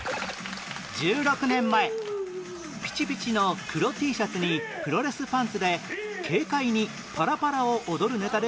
１６年前ピチピチの黒 Ｔ シャツにプロレスパンツで軽快にパラパラを踊るネタでブレーク